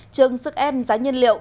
chừng sức ép giá nhiên liệu